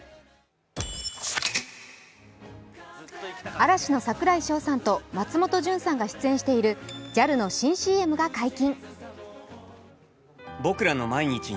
嵐の櫻井翔さんと松本潤さんが出演しているＪＡＬの新ＣＭが解禁。